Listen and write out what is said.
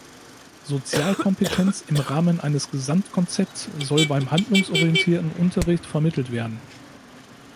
Sozialkompetenz im Rahmen eines Gesamtkonzepts soll beim handlungsorientierten Unterricht vermittelt werden.